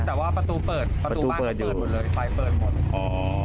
แต่ว่าประตูเปิดประตูบ้านก็เปิดหมดเลยไฟเปิดหมดอ๋อ